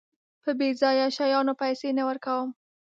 په بېځايه شيانو پيسې نه ورکوم.